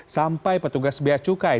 sampai petugas biaya cukai